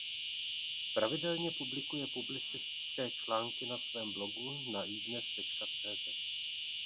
Pravidelně publikuje publicistické články na svém blogu na Idnes.cz.